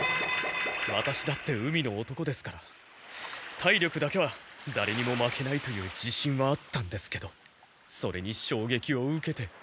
ワタシだって海の男ですから体力だけはだれにも負けないという自信はあったんですけどそれにしょうげきを受けて。